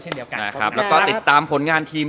แล้วก็ติดตามผลงานทีม